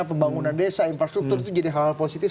pembangunan desa infrastruktur itu jadi hal hal positif